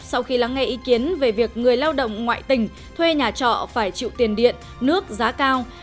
sau khi lắng nghe ý kiến về việc người lao động ngoại tỉnh thuê nhà trọ phải chịu tiền điện nước giá cao